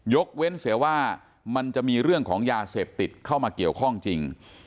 เว้นเสียว่ามันจะมีเรื่องของยาเสพติดเข้ามาเกี่ยวข้องจริง